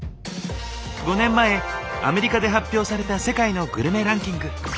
５年前アメリカで発表された世界のグルメランキング。